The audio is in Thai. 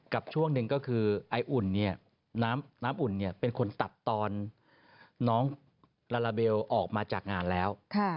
ช่วงหนึ่งก็คือไออุ่นน้ำอุ่นเป็นคนตัดตอนน้องลาลาเบลออกมาจากงานแล้ว